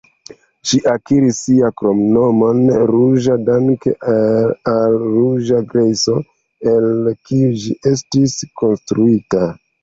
Ĝi akiris sian kromnomon "ruĝa" danke al ruĝa grejso, el kiu ĝi estis konstruita.